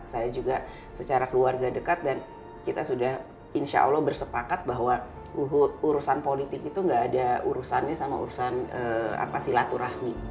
saya juga secara keluarga dekat dan kita sudah insya allah bersepakat bahwa urusan politik itu gak ada urusannya sama urusan silaturahmi